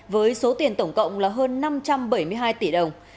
với số tiền tổng cộng là hơn năm trăm bảy mươi hai tỷ đồng